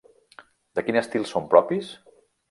De quin estil són propis?